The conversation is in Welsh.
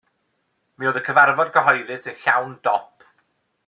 Mi oedd y cyfarfod cyhoeddus yn llawn dop.